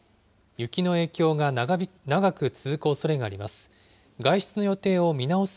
雪の影響が長く続くおそれがあります。